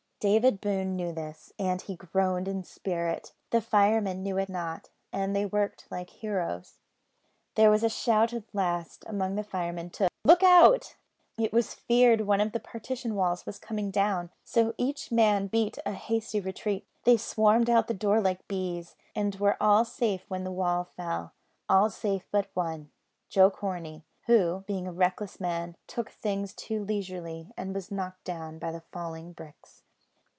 David Boone knew this, and he groaned in spirit. The firemen knew it not, and they worked like heroes. There was a shout at last among the firemen to "look out!" It was feared one of the partition walls was coming down, so each man beat a hasty retreat. They swarmed out at the door like bees, and were all safe when the wall fell all safe, but one, Joe Corney, who, being a reckless man, took things too leisurely, and was knocked down by the falling bricks.